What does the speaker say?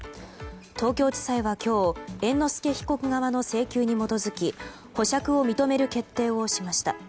東京地裁は今日猿之助被告側の請求に基づき保釈を認める決定をしました。